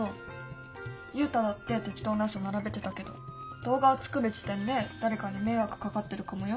ユウタだって適当なうそ並べてたけど動画を作る時点で誰かに迷惑かかってるかもよ？